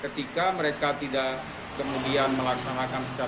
ketika mereka tidak kemudian melaksanakan secara